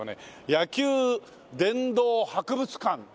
野球殿堂博物館。